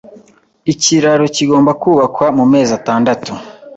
Ikiraro kigomba kubakwa mumezi atandatu.